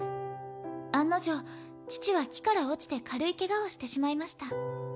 案の定父は木から落ちて軽いケガをしてしまいました。